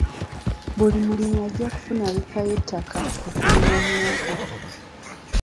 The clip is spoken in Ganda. Buli mulimi ajja kufuna yiika y'ettaka okulima muwogo.